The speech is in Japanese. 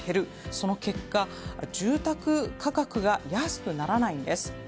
その結果、住宅価格が安くならないんです。